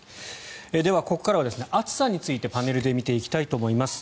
では、ここからは暑さについてパネルで見ていきたいと思います。